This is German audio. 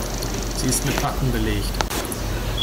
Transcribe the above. Sie ist mit Matten belegt.